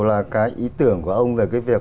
là cái ý tưởng của ông về cái việc